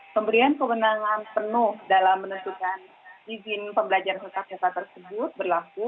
pemberian kebenangan penuh dalam menentukan izin pembelajaran sekolah sekolah tersebut berlaku